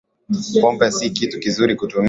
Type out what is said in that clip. Pombe si kitu kizuri kutumia